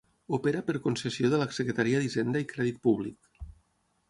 Opera per concessió de la Secretaria d'Hisenda i Crédit Públic.